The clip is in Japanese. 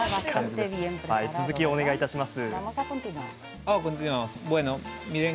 続きをお願いいたします。